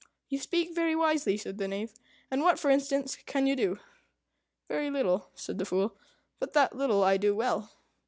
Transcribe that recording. "You speak very wisely," said the Knave, "And what, for instance, can you do?" "Very little," said the Fool; "but that little I do well."